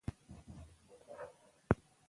چې موږ د بهرنيو واقعيتونو پرځاى